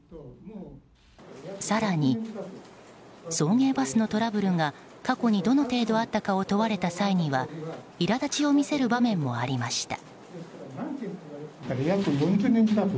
更に送迎バスのトラブルが過去にどの程度あったかを問われた際にはいらだちを見せる場面もありました。